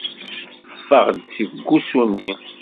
Ffeɣ-d seg wusu-nni.